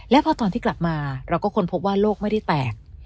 และพอตอนที่กลับมาเราก็ค้นพบว่าโลกไม่ได้แตก